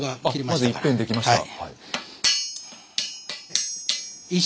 まず１辺できました。